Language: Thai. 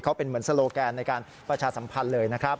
เขาเป็นเหมือนโซโลแกนในการประชาสัมพันธ์เลยนะครับ